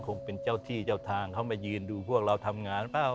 คงเป็นเจ้าที่เจ้าทางเข้ามายืนดูพวกเราทำงานเปล่า